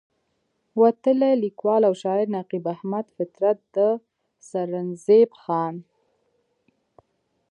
وتلے ليکوال او شاعر نقيب احمد فطرت د سرنزېب خان